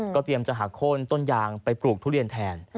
เตรียมจะหักโค้นต้นยางไปปลูกทุเรียนแทน